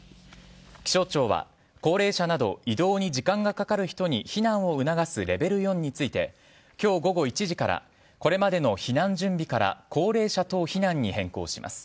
気象庁は、高齢者など移動に時間がかかる人に避難を促すレベル４について今日午後１時からこれまでの避難準備から高齢者等避難に変更します。